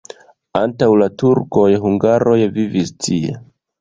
Antaŭ la turkoj hungaroj vivis tie.